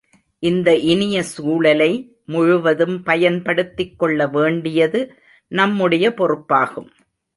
இந்த இனிய சூழலை முழுவதும் பயன் படுத்திக்கொள்ள வேண்டியது நம்முடைய பொறுப்பாகும்.